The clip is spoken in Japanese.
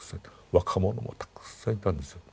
若者もたくさんいたんですよ。